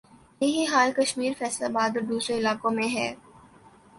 یہ ہی حال کشمیر، فیصل آباد اور دوسرے علاقوں میں ھے